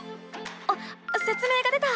あっせつ明が出た！